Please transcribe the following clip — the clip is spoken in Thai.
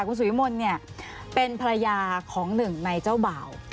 คุณสุวิมลเนี่ยเป็นภรรยาของหนึ่งในเจ้าบ่าว